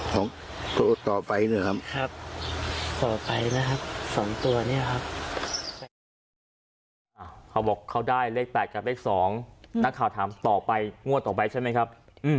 เขาบอกเขาได้เลข๘กับเลข๒นักข่าวถามต่อไปงวดต่อไปใช่ไหมครับ